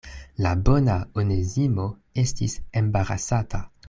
La bona Onezimo estis embarasata.